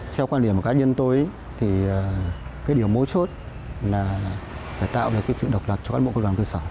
theo quan điểm của các nhân tối thì cái điều mối chốt là phải tạo được sự độc lập cho các mẫu công đoàn cơ sở